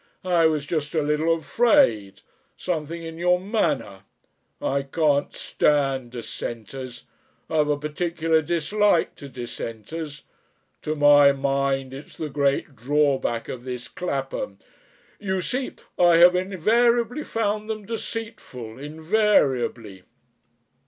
I was just a little afraid Something in your manner. I can't stand Dissenters. I've a peculiar dislike to Dissenters. To my mind it's the great drawback of this Clapham. You see ... I have invariably found them deceitful invariably."